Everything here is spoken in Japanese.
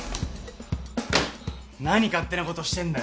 何勝手なことしてんだよ！？